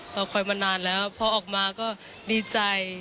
เราคอยมานานแล้วพอออกมาก็ดีใจ